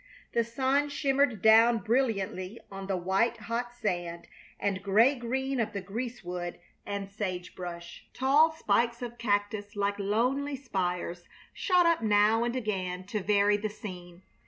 The sun shimmered down brilliantly on the white, hot sand and gray green of the greasewood and sage brush. Tall spikes of cactus like lonely spires shot up now and again to vary the scene.